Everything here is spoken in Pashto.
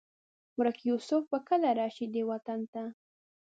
ورک یوسف به کله؟ راشي دې وطن ته